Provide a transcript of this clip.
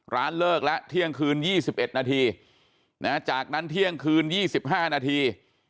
เลิกแล้วเที่ยงคืน๒๑นาทีจากนั้นเที่ยงคืน๒๕นาที